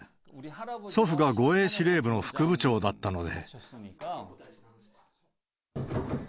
祖父が護衛司令部の副部長だったので。